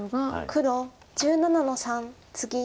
黒１７の三ツギ。